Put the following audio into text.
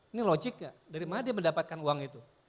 ini logik gak dari mana dia mendapatkan uang itu